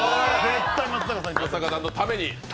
松坂さんのために！